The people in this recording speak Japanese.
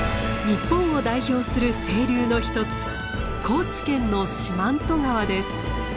日本を代表する清流のひとつ高知県の四万十川です。